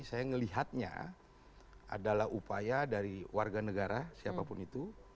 saya melihatnya adalah upaya dari warga negara siapapun itu